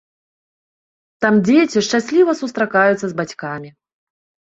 Там дзеці шчасліва сустракаюцца з бацькамі.